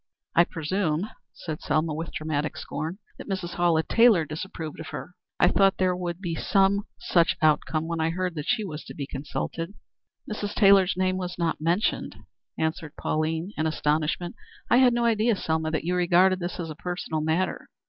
"I presume," said Selma, with dramatic scorn, "that Mrs. Hallett Taylor disapproved of her. I thought there would be some such outcome when I heard that she was to be consulted." "Mrs. Taylor's name was not mentioned," answered Pauline, in astonishment. "I had no idea, Selma, that you regarded this as a personal matter.